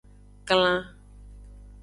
Klan.